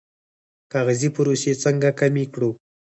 کاغذي پروسې څنګه کمې کړو؟